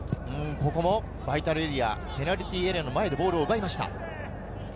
ここもバイタルエリア、ペナルティーエリアの前でボールを奪いました。